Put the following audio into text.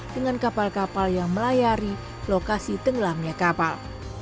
dengan kapal kapal yang melayari lokasi tenggelamnya kapal